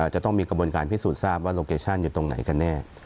จะต้องมีกระบวนการพิสูจนทราบว่าโลเคชั่นอยู่ตรงไหนกันแน่